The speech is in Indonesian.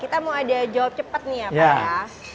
kita mau ada jawab cepet nih ya pak